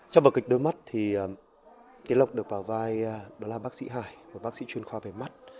trong vở kịch đôi mắt thì tiến lộc được vào vai đó là bác sĩ hải một bác sĩ chuyên khoa về mắt